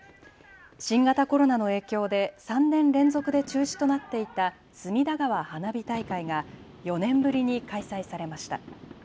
新型コロナの影響で３年連続で中止となっていた隅田川花火大会が４年ぶりに開催されました。